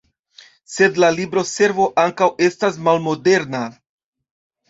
Sed la libroservo ankaŭ estas malmoderna.